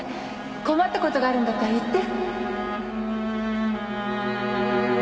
困ったことがあるんだったら言って